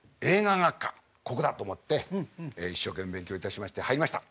ここだと思って一生懸命勉強いたしまして入りました。